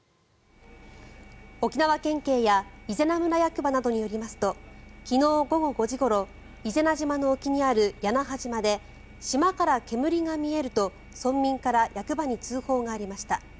沖縄県警や伊是名村役場などによりますと昨日午後５時ごろ伊是名島の沖にある屋那覇島で島から煙が見えると、村民から役場に通報がありました。